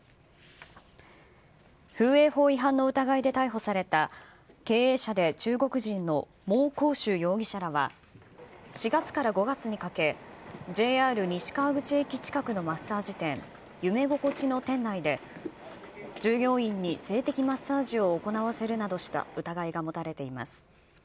風営法違反の疑いで逮捕された経営者で中国人の毛紅珠容疑者らは４月から５月にかけ、ＪＲ西川口駅近くのマッサージ店、夢心地の店内で、従業員に性的マッサージを行わせるなどした疑いが持たれています。